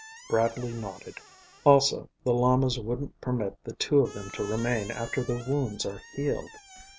Bradley nodded. "Also, the lamas won't permit the two of them to remain after their wounds are healed.